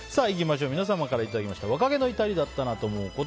皆様からいただきました若気の至りだったなぁと思うこと。